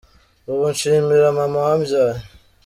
ubu nshimira mama wambyaye.